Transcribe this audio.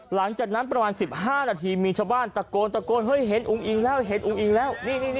หลังจากนั้นประมาณ๑๕นาทีมีชาวบ้านตะโกนตะโกนเฮ้ยเห็นอุ้งอิงแล้วเห็นอุ้งอิงแล้ว